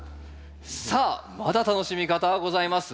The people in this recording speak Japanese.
さあまだ楽しみ方はございます。